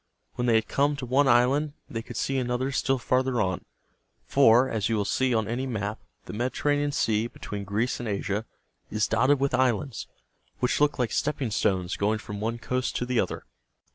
When they had come to one island, they could see another still farther on; for, as you will see on any map, the Mediterranean Sea, between Greece and Asia, is dotted with islands, which look like stepping stones going from one coast to the other.